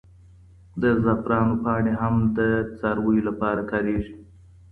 د زعفرانو پاڼې هم د څارویو لپاره کارېږي.